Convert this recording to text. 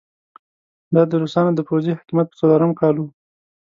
دا د روسانو د پوځي حاکميت په څلورم کال وو.